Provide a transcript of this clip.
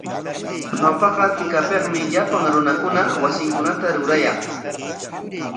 Ñawpaqa tikapikmi llapan runakuna wasinkunata rurayaq.